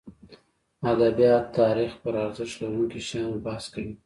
ادبیات تاریخ پرارزښت لرونکو شیانو بحث کوي.